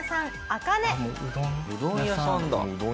うどん屋さんだ。